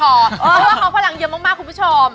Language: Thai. เพราะว่าเขาพลังเยอะมากคุณผู้ชม